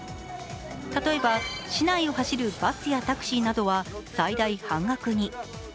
例えば、市内を走るバスやタクシーなどは最大半額に。